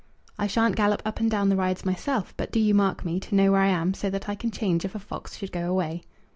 "I shan't gallop up and down the rides, myself; but do you mark me, to know where I am, so that I can change if a fox should go away."